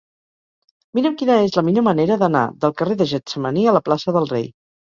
Mira'm quina és la millor manera d'anar del carrer de Getsemaní a la plaça del Rei.